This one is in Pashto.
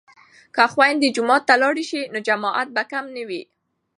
که خویندې جومات ته لاړې شي نو جماعت به کم نه وي.